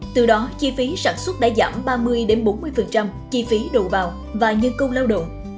từ đó chi phí sản xuất đã giảm ba mươi bốn mươi chi phí đầu vào và nhân công lao động